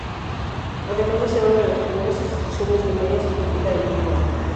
Además de ser uno de las primera instituciones limeñas en practicar el fútbol.